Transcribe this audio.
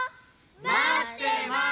まってます！